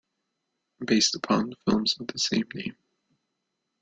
Based upon the films of the same name.